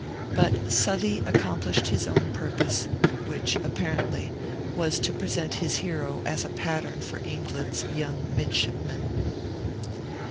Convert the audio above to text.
But Southey accomplished his own purpose, which, apparently, was to present his hero as a pattern for England's young midshipmen.